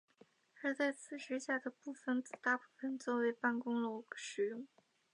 而在此之下的部分则大部分作为办公楼使用。